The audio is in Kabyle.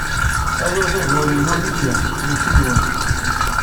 Aya d ugur-inu nekk, maci nwen.